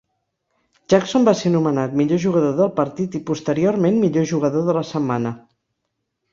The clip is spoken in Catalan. Jackson va ser nomenat millor jugador del partit i posteriorment millor jugador de la setmana.